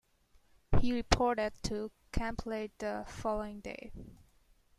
He reported to camp late the following day.